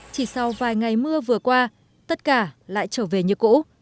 chỉ sau vài ngày mưa vừa qua tất cả lại trở về như cũ